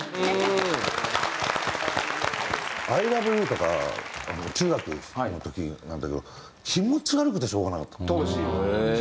『ＩＬＯＶＥＹＯＵ』とか中学の時なんだけど気持ち悪くてしょうがなかった曲が。